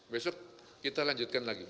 besok kita lanjutkan lagi